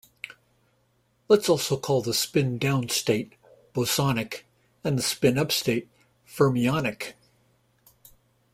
Let's also call the spin down state "bosonic" and the spin up state "fermionic".